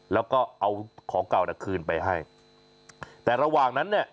แล้วก็เอาของเก่าน่ะคืนไปให้แต่ระหว่างนั้นเนี่ย